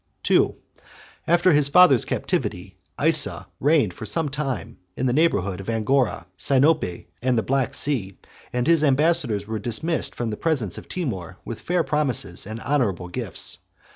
2. After his father's captivity, Isa 73 reigned for some time in the neighborhood of Angora, Sinope, and the Black Sea; and his ambassadors were dismissed from the presence of Timour with fair promises and honorable gifts.